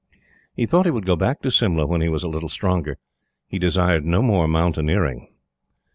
He thought he would go back to Simla when he was a little stronger. He desired no more mountaineering.